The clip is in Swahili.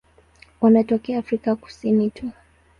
Wanatokea Afrika Kusini tu.